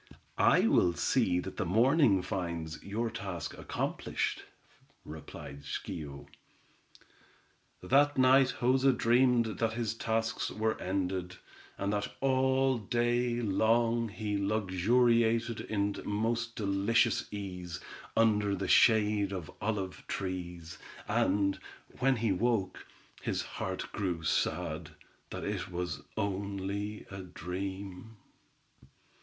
"I will see that the morning finds your task accomplished," replied Schio. That night Joza dreamed that his tasks were ended, and that all day long he luxuriated in most delicious ease, under the shade of olive trees, and, when he woke, his heart grew sad, that it was only a dream.